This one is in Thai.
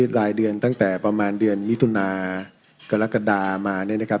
รายเดือนตั้งแต่ประมาณเดือนมิถุนากรกฎามาเนี่ยนะครับ